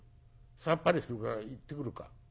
さっぱりするから行ってくるか。